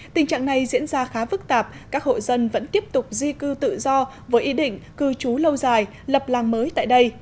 tình trạng này diễn ra khá phức tạp các hội dân vẫn tiếp tục di cư tự do với ý định cư trú lâu dài lập làng mới tại đây